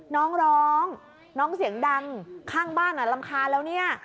น้องร้องน้องเสียงดังข้างบ้านรำคาญแล้วเนี่ย